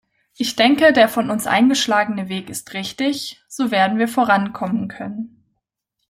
Ich denke, der von uns eingeschlagene Weg ist richtig, so werden wir vorankommen können.